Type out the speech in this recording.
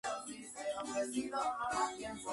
Ayer, quien residía en Chicago, Estados Unidos.